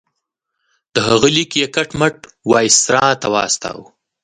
د هغه لیک یې کټ مټ وایسرا ته واستاوه.